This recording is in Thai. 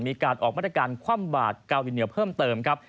มีการออกมาตรการคว่ำบาดเกาหลีเหนือเพิ่มเติมครับ